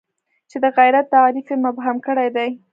چې د غیرت تعریف یې مبهم کړی دی.